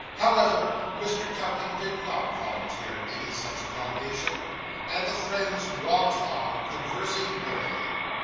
However, Mr. Tupman did not volunteer any such accommodation, and the friends walked on, conversing merrily.